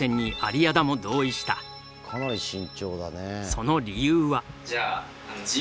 その理由は。